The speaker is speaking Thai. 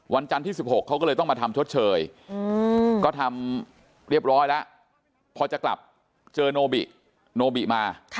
จันทร์ที่๑๖เขาก็เลยต้องมาทำชดเชยก็ทำเรียบร้อยแล้วพอจะกลับเจอโนบิโนบิมา